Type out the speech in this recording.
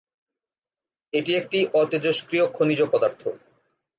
এটি একটি অতেজস্ক্রিয় খনিজ পদার্থ।